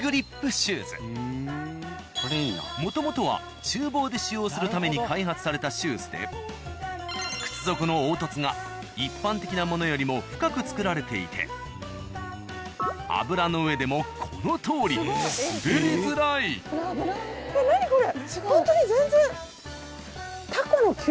もともとは厨房で使用するために開発されたシューズで靴底の凹凸が一般的なものよりも深く作られていて油の上でもこのとおりほんとに全然。